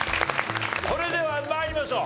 それでは参りましょう。